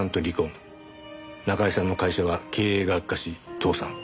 中居さんの会社は経営が悪化し倒産。